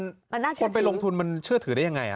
มันน่าเชื่อถือคนไปลงทุนมันเชื่อถือได้ยังไง